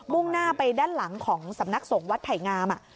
่งหน้าไปด้านหลังของสำนักสงฆ์วัดไผ่งาม